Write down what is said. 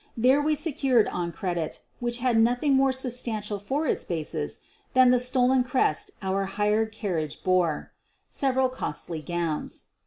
There we secured on credit, which had nothing more substantial for its basis than the stolen crest our hired carriage bore, several costly gowns.